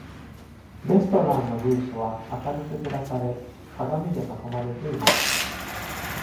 レストランのブースは明るく照らされ、鏡で囲まれています。